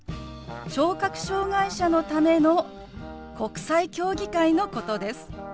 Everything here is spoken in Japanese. ・聴覚障害者のための国際競技会のことです。